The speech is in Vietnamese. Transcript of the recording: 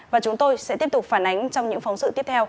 và chúng tôi sẽ tiếp tục phản ánh trong những phóng sự tiếp theo